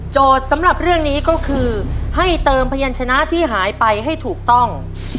สำหรับเรื่องนี้ก็คือให้เติมพยานชนะที่หายไปให้ถูกต้อง